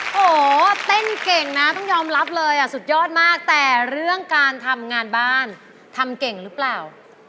โหเต้นเก่งนะต้องยอมรับเลยสุดยอดมากแต่เรื่องการทำงานบ้านทำเก่งหรือเปล่า